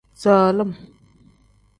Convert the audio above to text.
Solim.